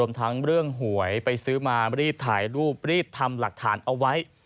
ทั้งเรื่องหวยไปซื้อมารีบถ่ายรูปรีบทำหลักฐานเอาไว้